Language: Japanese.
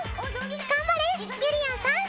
頑張れゆりやんさん！